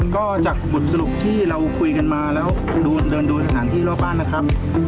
ก็จากบทสรุปที่เราคุยกันมาแล้วเดินดูสถานที่รอบบ้านนะครับ